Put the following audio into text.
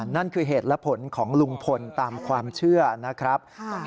นั่นคือเหตุและผลของลุงพลตามความเชื่อนะครับ